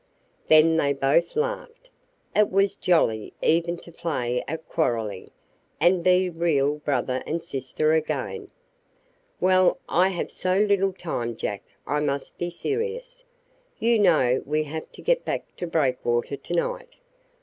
Then they both laughed. It was jolly even to play at quarreling, and be real brother and sister again. "Well, I have so little time, Jack, I must be serious. You know we have to get back to Breakwater to night.